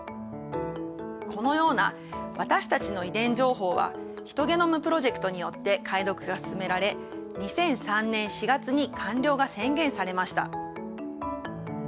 このような私たちの遺伝情報はヒトゲノムプロジェクトによって解読が進められ２００３年４月に完了が宣言されました。